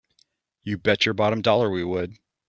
You bet your bottom dollar we would!